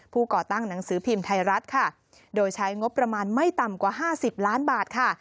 ก่อตั้งหนังสือพิมพ์ไทยรัฐค่ะโดยใช้งบประมาณไม่ต่ำกว่า๕๐ล้านบาทค่ะ